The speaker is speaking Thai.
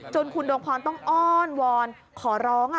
คุณดวงพรต้องอ้อนวอนขอร้อง